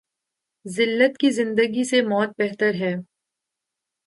زلت کی زندگی سے موت بہتر ہے۔